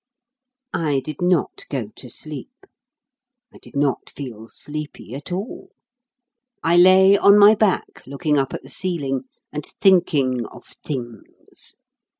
I did not go to sleep, I did not feel sleepy at all, I lay on my back, looking up at the ceiling, and thinking of things.